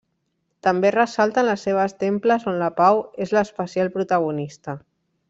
També ressalten les seves temples on la pau és l'especial protagonista.